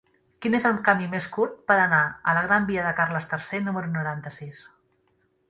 Quin és el camí més curt per anar a la gran via de Carles III número noranta-sis?